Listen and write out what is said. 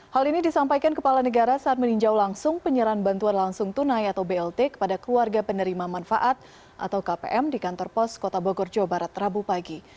hal ini disampaikan kepala negara saat meninjau langsung penyerahan bantuan langsung tunai atau blt kepada keluarga penerima manfaat atau kpm di kantor pos kota bogor jawa barat rabu pagi